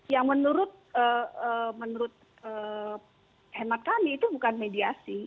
yang menurut hemat kami itu bukan mediasi